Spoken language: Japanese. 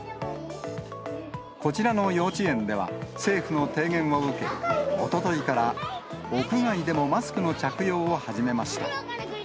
こちらの幼稚園では、政府の提言を受け、おとといから屋外でもマスクの着用を始めました。